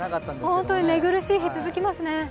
本当に寝苦しい日が続きますね。